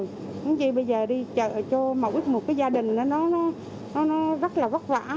không gì bây giờ đi chợ cho một ít một gia đình nó rất là vất vả